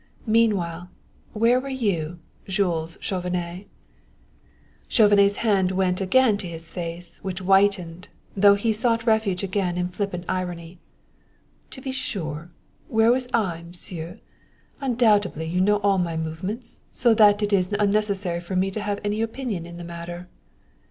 Meanwhile, where were you, Jules Chauvenet?" Chauvenet's hand again went to his face, which whitened, though he sought refuge again in flippant irony. "To be sure! Where was I, Monsieur? Undoubtedly you know all my movements, so that it is unnecessary for me to have any opinions in the matter."